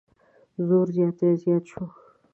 زور زیاتی زیات شو.